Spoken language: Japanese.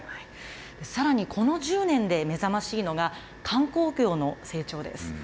さらに、この１０年で目覚ましいのが、観光業の成長です。